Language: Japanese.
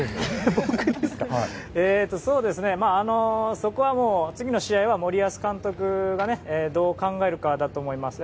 そこはもう、次の試合は森保監督がどう考えるかだと思います。